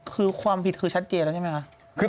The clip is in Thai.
คือความผิดคือชัดเจนแล้วใช่ไหมคะ